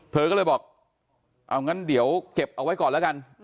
เธอก็เลยบอกเอางั้นเดี๋ยวเก็บเอาไว้ก่อนแล้วกัน